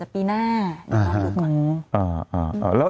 ปีหน้าอย่างนี้นะครับอ๋ออ๋ออ๋ออ๋ออ๋ออ๋ออ๋ออ๋ออ๋อ